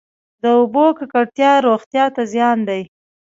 د اوبو ککړتیا روغتیا ته زیان دی.